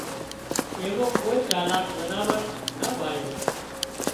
ايوون ڪوئي چالاڪ زناور نا ڀاۯيون